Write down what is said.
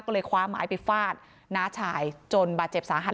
ก็เลยคว้าไม้ไปฟาดน้าชายจนบาดเจ็บสาหัส